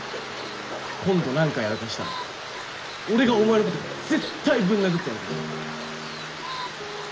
今度何かやらかしたら俺がお前のこと絶対ぶん殴ってやるからな。